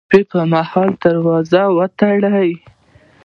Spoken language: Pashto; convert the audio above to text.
د شپې مهال دروازه وتړئ